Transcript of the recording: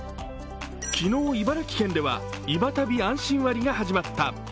昨日、茨城県ではいば旅あんしん割が始まった。